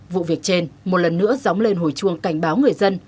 vụ việc trên một lần nữa dóng lên hồi chuông cảnh báo người dân